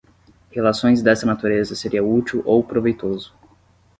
relações desta natureza seria útil ou proveitoso